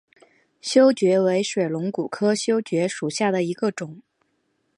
修蕨为水龙骨科修蕨属下的一个种。